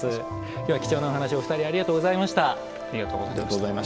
今日は貴重なお話しお２人ありがとうございました。